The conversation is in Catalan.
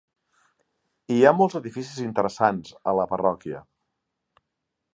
Hi ha molts edificis interessants a la parròquia.